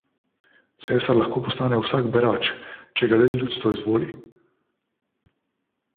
Cesar lahko postane vsak berač, če ga le ljudstvo izvoli.